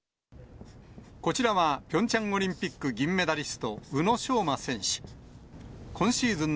こちらは、ピョンチャンオリンピック銀メダリスト、宇野昌磨選手。